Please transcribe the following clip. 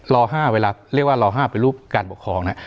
รอห้าเวลาเรียกว่ารอห้าเป็นรูปการบกครองนะครับ